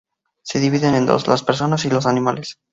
Se dividen en dos: las personas y los animales.